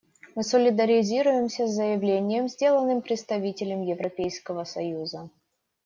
Мы солидаризируемся с заявлением, сделанным представителем Европейского союза.